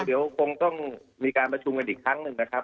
เดี๋ยวคงต้องมีการประชุมกันอีกครั้งหนึ่งนะครับ